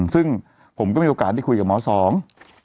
ซึ่งผมก็มีโอกาสได้คุยกับหมอสอง